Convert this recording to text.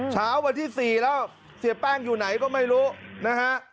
เช้าวันที่๔แล้วเสียแป้งอยู่ไหนก็ไม่รู้นะฮะ